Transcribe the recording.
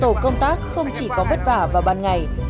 tổ công tác không chỉ có vất vả vào ban ngày